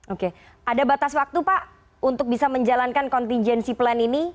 oke ada batas waktu pak untuk bisa menjalankan contingency plan ini